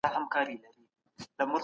ژبه بايد د بل په مذهب پسې ونه کارول سي.